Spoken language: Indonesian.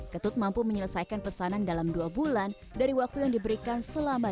ketut mampu menyelesaikan pesanan dalam dua bulan dari waktu yang diberikan selama